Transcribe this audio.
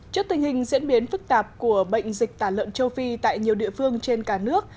trước tình hình diễn biến phức tạp của bệnh dịch tả lợn châu phi tại nhiều địa phương trên cả nước